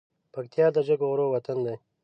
پکتيا د جګو غرو وطن دی